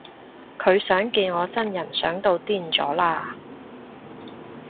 佢想見我真人想到癲咗喇